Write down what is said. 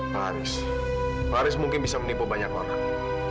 pak haris pak haris mungkin bisa menipu banyak orang